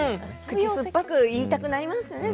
口酸っぱく言いたくなりますね